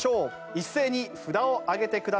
一斉に札を上げてください。